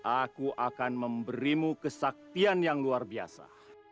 aku akan memberimu kesaktian yang luar biasa